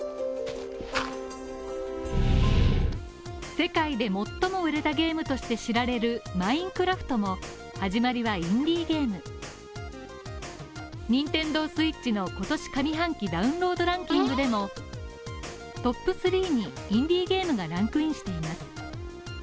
世界で最も売れたゲームとして知られる「マインクラフト」も始まりはインディーゲームＮｉｎｔｅｎｄｏＳｗｉｔｃｈの今年上半期ダウンロードランキングでも、トップ３にインディーゲームがランクインしています。